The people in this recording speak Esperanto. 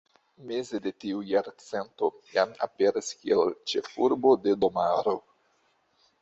Meze de tiu jarcento, jam aperas kiel ĉefurbo de domaro.